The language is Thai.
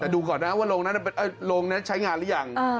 ดูก่อนฮะว่าโรงนั้นใช้งานรึยัง